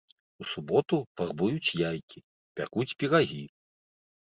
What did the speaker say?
У суботу фарбуюць яйкі, пякуць пірагі.